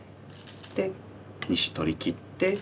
で２子取りきって。